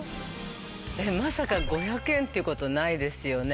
まさか５００円ってことないですよね。